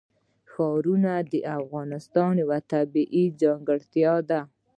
ښارونه د افغانستان یوه طبیعي ځانګړتیا ده.